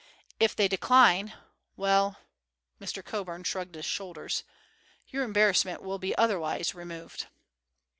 If they decline, well"—Mr. Coburn shrugged his shoulders—"your embarrassment will be otherwise removed."